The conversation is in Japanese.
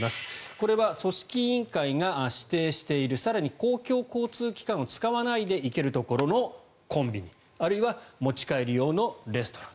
これは組織委員会が指定している更に公共交通機関を使わないで行けるところのコンビニあるいは持ち帰り用のレストラン